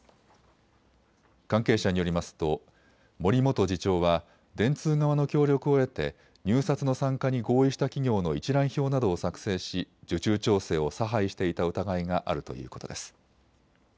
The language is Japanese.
関係者によりますと森元次長は電通側の協力を得て入札の参加に合意した企業の一覧表などを作成し受注調整を差配していた疑いがあるということです。